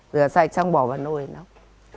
rửa sạch xong bỏ vào nồi nóng